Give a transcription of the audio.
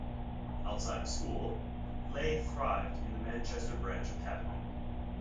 Outside of school, Leigh thrived in the Manchester branch of Habonim.